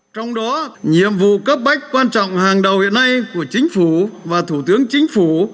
trong đó nhiệm vụ cấp bách quan trọng hàng đầu hiện nay của chính phủ và thủ tướng chính phủ